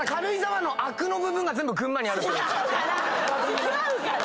違うから！